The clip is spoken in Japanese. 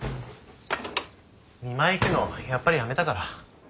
見舞い行くのやっぱりやめたから。